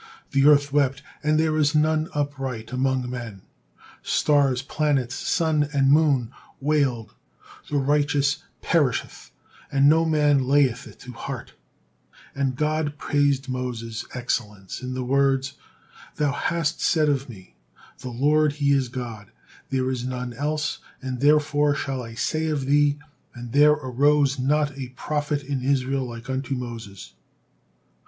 The earth wept: "And there is none upright among men." Stars, planets, sun, and moon wailed: "The righteous perisheth, and no man layeth it to heart," and God praised Moses' excellence in the words: "Thou hast said of Me, 'The Lord He is God: there is none else,' and therefore shall I say of thee, 'And there arose not a prophet in Israel like unto Moses.'"